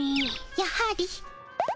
やはり。